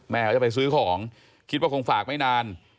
เขาจะไปซื้อของคิดว่าคงฝากไม่นาน